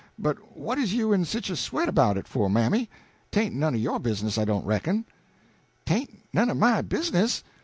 But what is you in sich a sweat 'bout it for, mammy? 'Tain't none o' your business I don't reckon." "'Tain't none o' my business?